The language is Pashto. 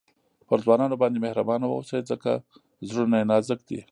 پر ځوانانو باندي مهربانه واوسئ؛ ځکه زړونه ئې نازک دي.